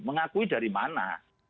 mengakui dari mana